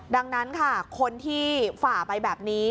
ดังนั้นค่ะคนที่ฝ่าไปแบบนี้